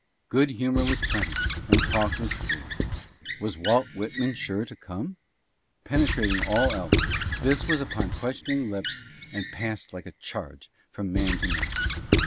Good humor was plenty, and talk was free. Was Walt Whitman sure to come ? Penetrating all else, 12 "RECORDERS AGES HENCE:' this was upon questioning lips and passed like a charge from man to man.